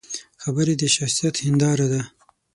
خبرې د شخصیت هنداره ده